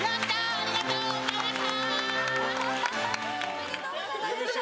ありがとうございます！